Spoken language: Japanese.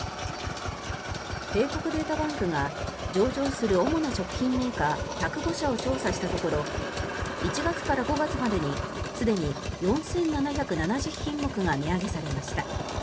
帝国データバンクが上場する主な食品メーカー１０５社を調査したところ１月から５月までにすでに４７７０品目が値上げされました。